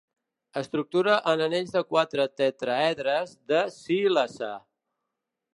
Estructura en anells de quatre tetràedres de sílice.